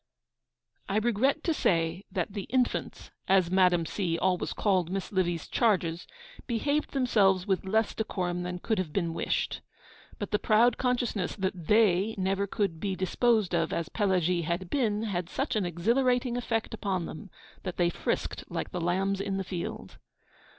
I regret to say that 'the infants,' as Madame C. always called Miss Livy's charges, behaved themselves with less decorum than could have been wished. But the proud consciousness that they never could be disposed of as Pelagie had been had such an exhilarating effect upon them that they frisked like the lambs in the field.